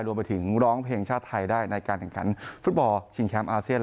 รวมไปถึงร้องเพลงชาติไทยได้ในการแข่งขันฟุตบอลชิงแชมป์อาเซียน